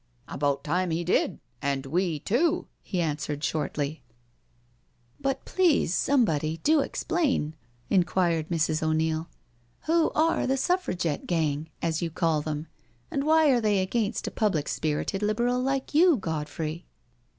" About time he did— and we too," be answered 9hortlx, 30 NO SURRENDER *'But please somebody do explain?'* inquired Mrs. O'Neil. •• Who are the Suffragette * gang/ as you call them? and why are they against a public spirited Liberal like you^ Godfrey?'